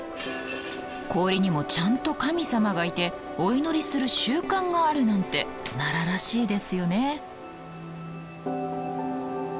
氷にもちゃんと神様がいてお祈りする習慣があるなんて奈良らしいですよね。